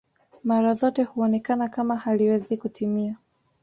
Mara zote huonekana kama haliwezi kutimia